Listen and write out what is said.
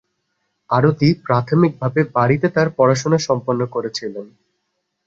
আরতি প্রাথমিকভাবে বাড়িতে তাঁর পড়াশোনা সম্পন্ন করেছিলেন।